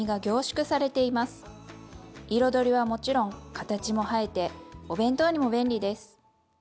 彩りはもちろん形も映えてお弁当にも便利です！